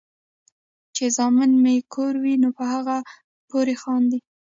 چې زامن مې کور وي نو پۀ هغې پورې خاندي ـ